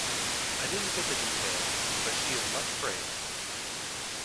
I didn't get the details, but she is much braced.